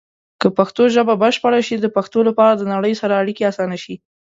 که پښتو ژبه بشپړه شي، د پښتنو لپاره د نړۍ سره اړیکې اسانه شي.